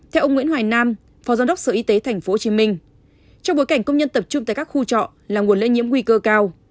theo ông nguyễn hoài nam phó giám đốc sở y tế tp hcm trong bối cảnh công nhân tập trung tại các khu trọ là nguồn lây nhiễm nguy cơ cao